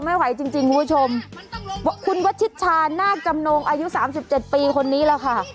ไม่ไหวจริงจริงคุณผู้ชมคุณวัชิชานาคจำนงอายุสามสิบเจ็ดปีคนนี้แหละค่ะ